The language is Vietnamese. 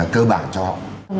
cơ bản cho họ